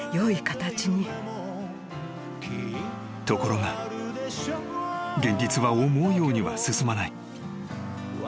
［ところが現実は思うようには進まない］